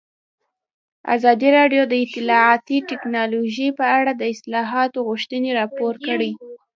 ازادي راډیو د اطلاعاتی تکنالوژي په اړه د اصلاحاتو غوښتنې راپور کړې.